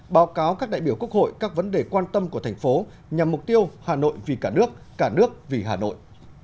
báo cáo các đại biểu quốc hội các vấn đề quan tâm của thành phố nhằm mục tiêu hà nội vì cả nước cả nước vì hà nội